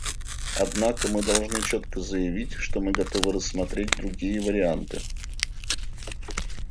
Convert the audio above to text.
Однако мы должны четко заявить, что мы готовы рассмотреть другие варианты.